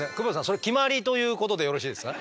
それ決まりということでよろしいですか？